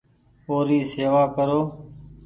او ري شيوا ڪرو ۔